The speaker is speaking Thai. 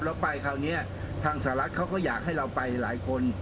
แล้วไปคราวนี้ทางสหรัฐเขาก็อยากให้เราไปหลายคน